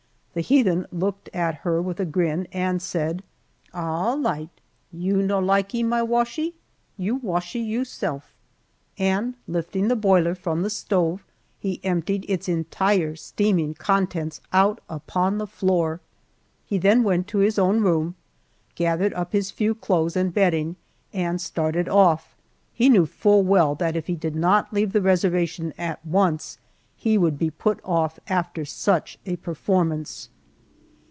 The heathen looked at her with a grin and said, "Allee light, you no likee my washee, you washee yousel'," and lifting the boiler from the stove he emptied its entire steaming contents out upon the floor! He then went to his own room, gathered up his few clothes and bedding, and started off. He knew full well that if he did not leave the reservation at once he would be put off after such a performance.